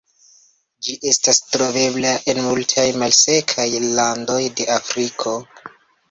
Ĝi estas trovebla en multaj malsekaj landoj de Afriko.